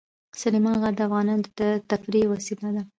سلیمان غر د افغانانو د تفریح یوه وسیله ده.